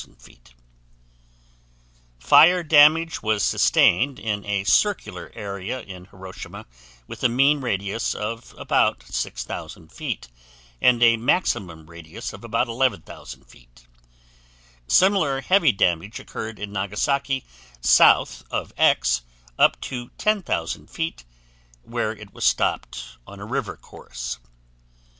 Heavy fire damage was sustained in a circular area in Hiroshima with a mean radius of about 6,000 feet and a maximum radius of about 11,000 feet; similar heavy damage occured in Nagasaki south of X up to 10,000 feet, where it was stopped on a river course.